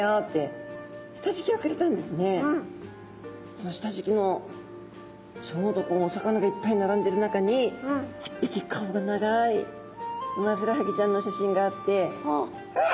そのしたじきのちょうどお魚がいっぱいならんでる中にいっぴき顔が長いウマヅラハギちゃんのしゃしんがあってうわ